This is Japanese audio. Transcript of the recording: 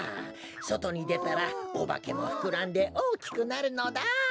そとにでたらおばけもふくらんでおおきくなるのだ！